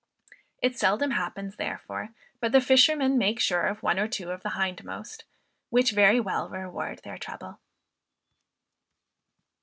It seldom happens, therefore, but the fishermen make sure of one or two of the hindmost, which very well reward their trouble.